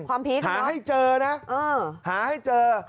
ความผีค่ะเนอะหาให้เจอนะหาให้เจอ